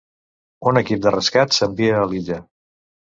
Un equip de rescat s'envia a l'illa.